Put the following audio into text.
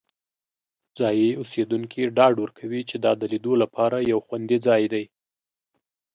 ځایی اوسیدونکي ډاډ ورکوي چې دا د لیدو لپاره یو خوندي ځای دی.